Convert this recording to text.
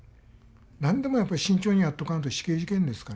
何でもやっぱり慎重にやっとかんと死刑事件ですから。